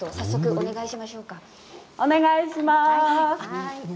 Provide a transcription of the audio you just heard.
お願いします。